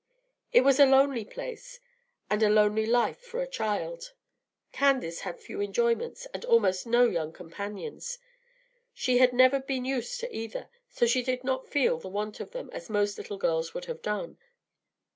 It was a lonely place, and a lonely life for a child. Candace had few enjoyments, and almost no young companions. She had never been used to either, so she did not feel the want of them as most little girls would have done.